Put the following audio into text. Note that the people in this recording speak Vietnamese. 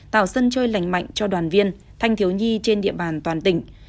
tạo sân chơi lành mạnh cho đoàn viên thanh thiếu nhi trên địa bàn toàn tỉnh